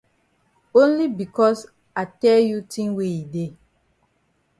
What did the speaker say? Only becos I di tell you tin wey e dey.